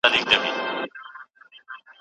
چي تر څنګ دي عزرایل وي زه به څنګه غزل لیکم